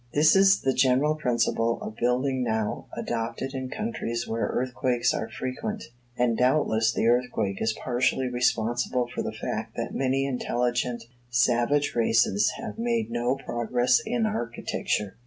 This is the general principle of building now adopted in countries where earthquakes are frequent; and doubtless the earthquake is partially responsible for the fact that many intelligent savage races have made no progress in architecture.